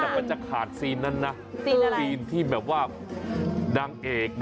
แต่มันจะขาดซีนนั้นนะซีนที่แบบว่านางเอกนะ